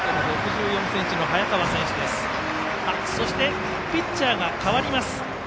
そしてピッチャーが代わります。